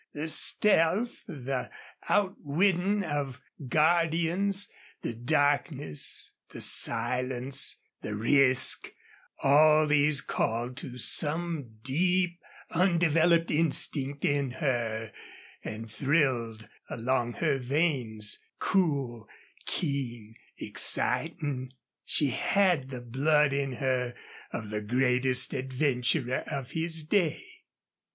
The stealth, the outwitting of guardians, the darkness, the silence, the risk all these called to some deep, undeveloped instinct in her, and thrilled along her veins, cool, keen, exciting. She had the blood in her of the greatest adventurer of his day.